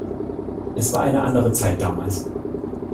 Es war eine andere Zeit damals.